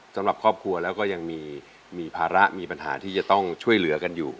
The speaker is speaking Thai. สำหรับครอบครัวแล้วก็ยังมีภาระมีปัญหาที่จะต้องช่วยเหลือกันอยู่